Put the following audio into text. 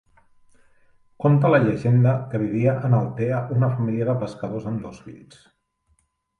Conta la llegenda que vivia en Altea una família de pescadors amb dos fills.